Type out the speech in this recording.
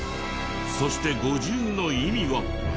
そして５０の意味は？